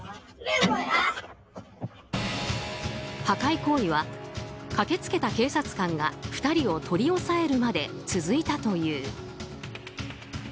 破壊行為は駆けつけた警察官が２人を取り押さえるまで続いたという。